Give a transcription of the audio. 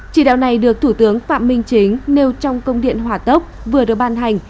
chỉ đạo này được thủ tướng phạm minh chính nêu trong công điện hỏa tốc vừa được ban hành